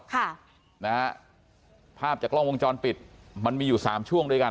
ค่ะนะฮะภาพจากกล้องวงจรปิดมันมีอยู่สามช่วงด้วยกัน